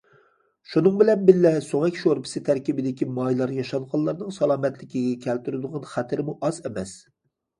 شۇنىڭ بىلەن بىللە سۆڭەك شورپىسى تەركىبىدىكى مايلار ياشانغانلارنىڭ سالامەتلىكىگە كەلتۈرىدىغان خەتىرىمۇ ئاز ئەمەس.